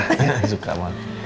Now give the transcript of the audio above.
saya suka banget